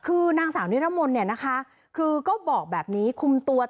คือนางสาวนิรมนต์เนี่ยนะคะคือก็บอกแบบนี้คุมตัว